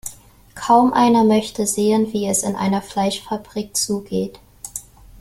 Kaum einer möchte sehen, wie es in einer Fleischfabrik zugeht.